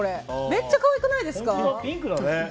めっちゃ可愛くないですか。